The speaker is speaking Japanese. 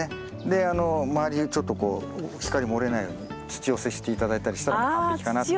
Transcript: で周りをちょっとこう光漏れないように土寄せして頂いたりしたら完璧かなと。